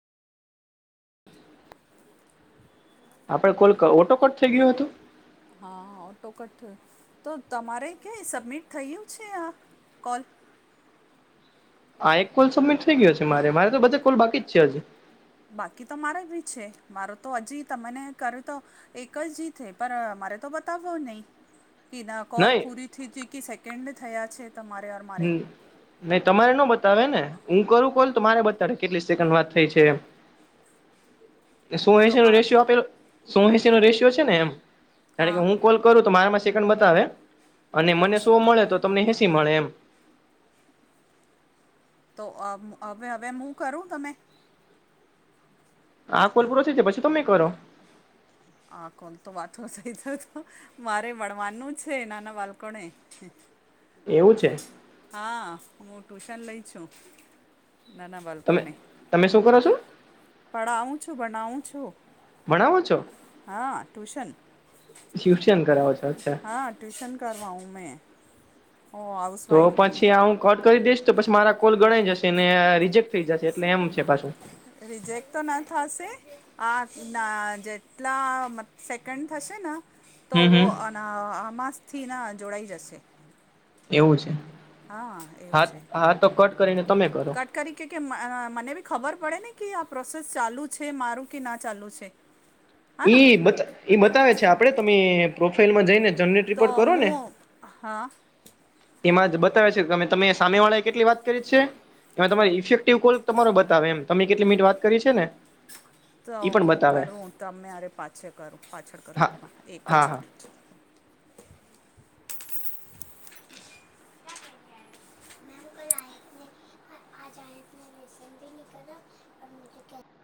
આપડો call auto cut થઈ ગયો હતો? હા ઓટોકટ થયો. તો તમારે ક્યાંય સબમિટ થયું છે આ કોલ? આ એક કોલ સબમિટ થઈ ગયો છે મારે. મારે તો બધે કોલ બાકી જ છે હજી. બાકી તો મારે બી છે. મારું તો હજી તમને કર્યું તો એક જ થઈ પણ મારે તો બતાવવો નહી. કે ના કોલ નહી પૂરીથી હતી કે સેકન્ડ થયા છે તમારે ઓર મારે? હમ નહી તમારે ન બતાડેને. હું કરું કોલ તો મારે બતાવે કેટલી સેકન્ડ વાત થઈ છે એમ. [inaudible] સો તો એસી નો આ રેશિયો આપેલો સો એસી નો રેશિયો છે ને એમ હા કે હુ. કોલ કરું તો મારા સેકન્ડ બતાવે અને મને અચ્છા શું મળે તો તમને હેંસી મળે એમ તો હવે હવે હું કરું તમે હા કોલપુરોોછી છે, પછી તમે કરો આ કોણ તો વાતો થઈ, તો તો મારે વણવાનનું છે, નાના બાળકોને એવું છે. હા હું ટ્યુશન લઈ છુ. ના ના ભલ કોુ તમે નને તમે શું કરો છો પડાવું છું બનાવું છુ. ભણાવો છો. હા, ટ્યુશન શિવશન કરાવ છે. હા, ટ્યુશન કરવા હ મેં ઓ આવ તો પછી હુ કટ કરી દઈશ તો પછી મારા કોલ ગણાય જશે ને રિજેક્ટ થઈ જશે એટલે એમ છે, પાછું રિજેક્ટ તો ના થશે આ ના જેટલા સેકન્ડ થશે ને તો હમ વો હમ આના આમાંસથી ના જોડાઈ, જશે એવું છે, હા એવું હા છે હા તો કટ કરીને તમે કરો કટ કરી કે કે મને બી ખબર પડે ને કે આ પ્રોસેસ ચાલુ છે મારું કે ના ચાલુ છે. હા ને બ ઈ બતાવે છે, આપડે તમે પ્રોફાાઈલમાં જઈને જરેટ તો રિપોર્ટ કરો ને હું હા એમાં બતાવે છેમે તમે સામે વાળા કેટલી વાત કરી છે. ત તમારી ઇફેક્ટિવ કોલ તમારો બતાવે એમ તમે કેટલીિટ વાત કરી છેને. તો હુ, કરું તમે અરે પાછળ કરું પાછળ કરો હા એક મા એક જ હા હા વાર